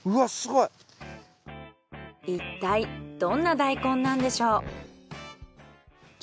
いったいどんな大根なんでしょう？